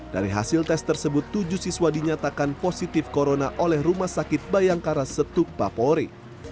dari hasil tes tersebut tujuh siswa dinyatakan positif corona oleh rumah sakit bayangkara setuk papori